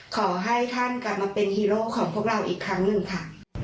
ขอให้ท่านกลับมาเป็นฮีโร่ของพวกเราอีกครั้งหนึ่งค่ะ